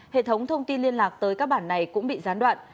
hệ thống thông tin liên lạc tới các bản này cũng bị gián đoạn